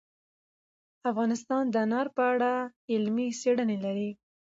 افغانستان د انار په اړه علمي څېړنې لري.